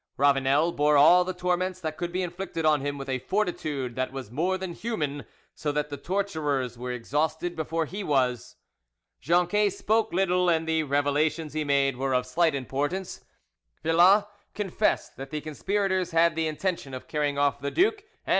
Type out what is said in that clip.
Ravanel bore all the torments that could be inflicted on him with a fortitude that was more than human, so that the torturers were exhausted before he was. Jonquet spoke little, and the revelations he made were of slight importance. Villas confessed that the conspirators had the intention of carrying off the duke and M.